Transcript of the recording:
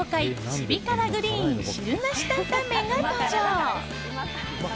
シビ辛グリーン汁なし担々麺が登場。